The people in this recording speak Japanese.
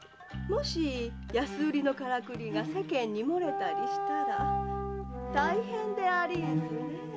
もし安売りのカラクリが世間にもれたりしたら大変でありんすねえ。